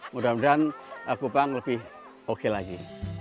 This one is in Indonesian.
mudah mudahan kupang lebih oke lagi